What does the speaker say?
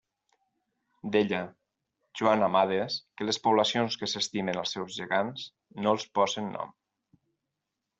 Deia Joan Amades que les poblacions que s'estimen els seus gegants no els posen nom.